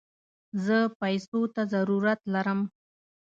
زه پيسوته ضرورت لم